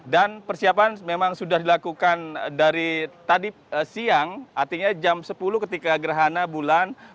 dan persiapan memang sudah dilakukan dari tadi siang artinya jam sepuluh ketika gerhana bulan